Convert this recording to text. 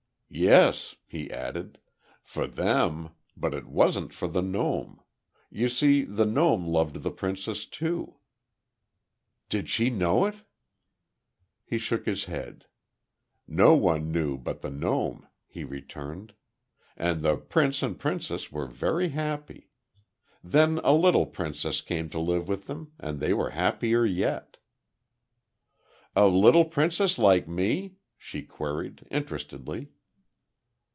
"Yes," he added; "for them. But it wasn't for the gnome. You see, the gnome loved the princess, too." "Did she know it?" He shook his head. "No one knew it but the gnome," he returned. "And the prince and princess were very happy. Then a little princess came to live with them, and they were happier yet." "A little princess like me?" she queried, interestedly.